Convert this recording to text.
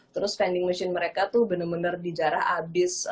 terus vending machine mereka tuh bener bener di jarah abis